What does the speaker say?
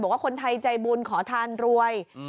บอกว่าคนไทยใจบุญขอทานรวย